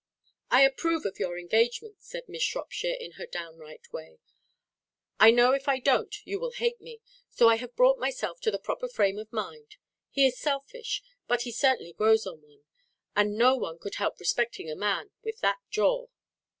"I approve of your engagement," said Miss Shropshire, in her downright way. "I know if I don't you will hate me, so I have brought myself to the proper frame of mind. He is selfish; but he certainly grows on one, and no one could help respecting a man with that jaw."